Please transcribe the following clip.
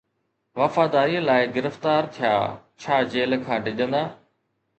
وفاداريءَ لاءِ گرفتار ٿيا، ڇا جيل کان ڊڄندا؟